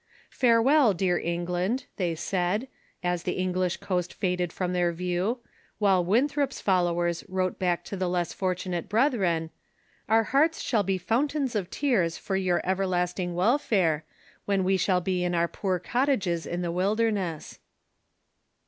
" Farewell, dear England," they said, as the English coast faded from their view, while Winthrop's followers wrote back to the less fort unate brethren :" Our hearts shall be fountains of tears for your everlasting welfare, when we shall be in our poor cot tages in the wilderness."